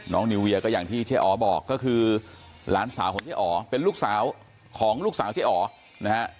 น้องนิวเวียก็อย่างที่เจ้าอ๋อบอกก็คือล้านสาวของเจ้าอ๋อเป็นลูกสาวของลูกสาวเจ้าอ๋อ